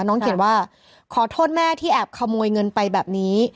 เขียนว่าขอโทษแม่ที่แอบขโมยเงินไปแบบนี้